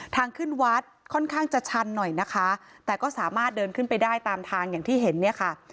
ทางขึ้นวัดค่อนข้างจะชันหน่อยนะคะแต่ก็สามารถเดินขึ้นไปได้ตามทางอย่างที่เห็นเนี่ยค่ะ